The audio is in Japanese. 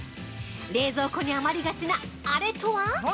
冷蔵庫に余りがちなあれとは？